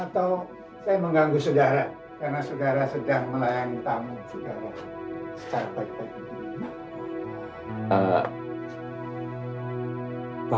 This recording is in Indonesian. atau saya mengganggu saudara karena saudara sudah melayani tamu saudara secara baik baik